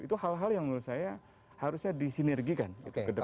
itu hal hal yang menurut saya harusnya disinergikan ke depan